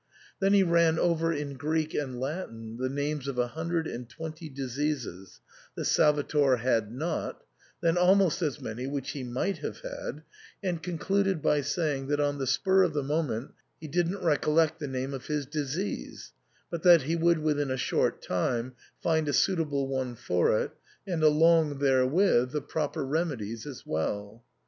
Then he ran over in Greek and Latin the names of a hundred and twenty diseases that Salvator had not, then almost as many which he might have had, and concluded by saying that on the spur of the moment he didn't recollect the name of his disease, but that he would within a short time find a suitable one for it, and along therewith, the proper remedies as well.